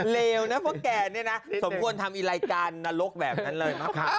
เหลวนะพวกแกนี่นะสมควรทำไอ้รายการนรกแบบนั้นเลย